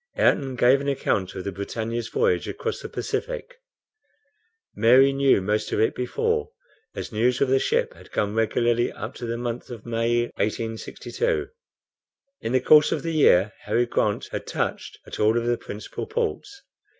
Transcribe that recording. Ayrton gave an account of the BRITANNIA'S voyage across the Pacific. Mary knew most of it before, as news of the ship had come regularly up to the month of May, 1862. In the course of the year Harry Grant had touched at all the principal ports.